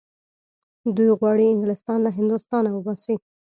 دوی غواړي انګلیسیان له هندوستانه وباسي.